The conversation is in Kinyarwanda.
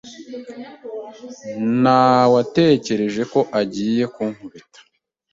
Nawetekereje ko agiye kunkubita.